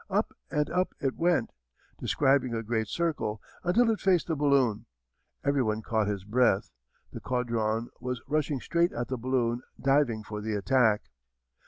Up and up it went, describing a great circle, until it faced the balloon. Everyone caught his breath. The Caudron was rushing straight at the balloon, diving for the attack.